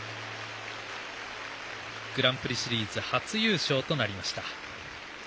グランプリシリーズ初優勝となりました。